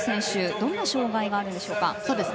どんな障がいがあるんでしょうか。